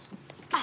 あ。